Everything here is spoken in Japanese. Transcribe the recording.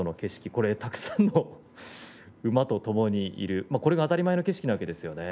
これ、たくさんの馬とともにいるこれが当たり前の景色なんですね。